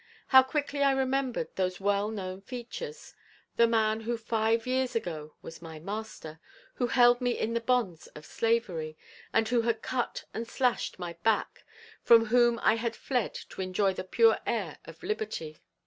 How quickly I remembered those well known features. The man who five years ago was my master, who held me in the bonds of slavery, who had cut and slashed my back; from whom I had fled to enjoy the pure air of liberty.